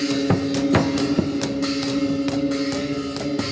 สวัสดีสวัสดี